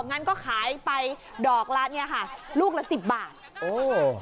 งั้นก็ขายไปดอดร้านนี้ค่ะลูกละ๑๐บาท